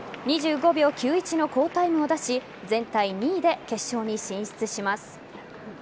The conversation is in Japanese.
２５秒９１の好タイムを出し全体２位で決勝に進出します。